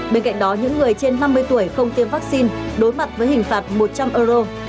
bên cạnh đó những người trên năm mươi tuổi không tiêm vaccine đối mặt với hình phạt một trăm linh euro